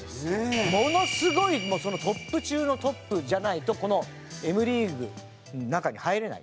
ものすごいトップ中のトップじゃないとこのＭリーグの中に入れない。